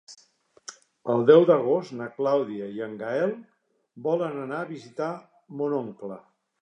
El deu d'agost na Clàudia i en Gaël volen anar a visitar mon oncle.